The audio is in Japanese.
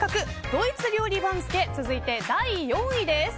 ドイツ料理番付続いて第４位です。